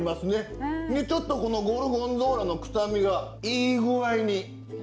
でちょっとこのゴルゴンゾーラの臭みがいい具合に。